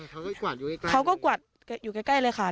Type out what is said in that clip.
เขาก็กวาดอยู่ใกล้ใกล้เลยเขาก็กวาดอยู่ใกล้ใกล้เลยค่ะ